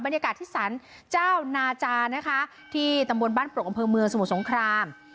บรรยากาศที่สรรเจ้านาจานะคะที่ตำบลบ้านปรกอำเภอเมืองสมุทรสงคราม